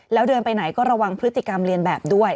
แล้วเดินไปไหนก็ระวังพฤติกรรมเรียนแบบด้วย